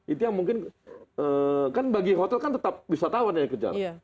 itu yang mungkin kan bagi hotel kan tetap wisatawan yang ke jalan